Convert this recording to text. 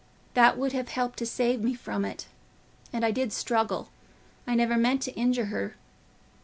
That would have helped to save me from it. And I did struggle: I never meant to injure her.